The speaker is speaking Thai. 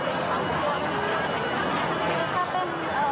แต่ว่าก็จะอยากทีแปลงขันเกิน